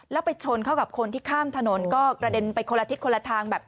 แล้วไปชนเข้ากับคนที่ข้ามถนนก็กระเด็นไปคนละทิศคนละทางแบบ